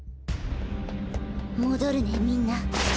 戻るねみんな。